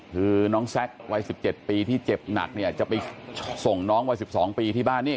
คือน้องแซควัย๑๗ปีที่เจ็บหนักเนี่ยจะไปส่งน้องวัย๑๒ปีที่บ้านนี่